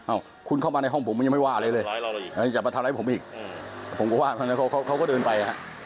คุณเข้ามาในห้องผมมันยังไม่ว่าอะไรเลยอย่ามาทำร้ายผมอีกผมก็ว่าตรงนั้นเขาเขาก็เดินไปฮะ